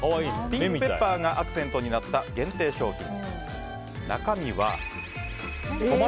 ピンクペッパーがアクセントになった限定商品。